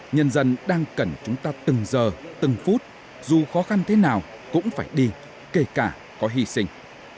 nhân dân đang cần chúng ta từng giờ từng phút dù khó khăn thế nào cũng phải đi kể cả có hy sinh